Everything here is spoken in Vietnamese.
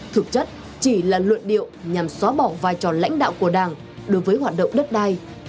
thực chất chỉ là luận điệu nhằm xóa bỏ vai trò lãnh đạo của đảng đối với hoạt động đất đai